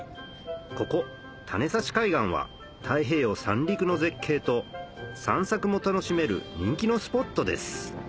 ここ種差海岸は太平洋三陸の絶景と散策も楽しめる人気のスポットです